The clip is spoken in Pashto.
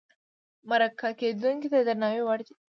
مرکه کېدونکی د درناوي وړ دی.